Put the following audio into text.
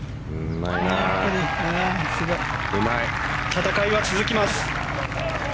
戦いは続きます。